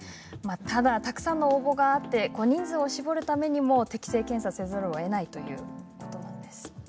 たくさんの応募があって人数を絞るためにも適性検査はせざるをえないということなんです。